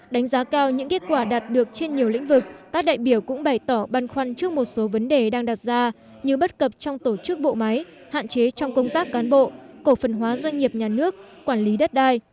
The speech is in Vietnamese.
đánh giá cao những kết quả đạt được trên nhiều lĩnh vực các đại biểu cũng bày tỏ băn khoăn trước một số vấn đề đang đặt ra như bất cập trong tổ chức bộ máy hạn chế trong công tác cán bộ cổ phần hóa doanh nghiệp nhà nước quản lý đất đai